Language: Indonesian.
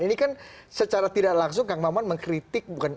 ini kan secara tidak langsung kang maman mengkritik